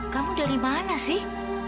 kamu dari mana sih